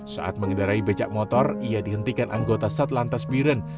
saat mengendarai becak motor ia dihentikan anggota satlantas biren